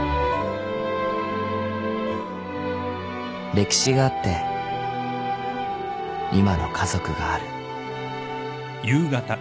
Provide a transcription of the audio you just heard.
［歴史があって今の家族がある］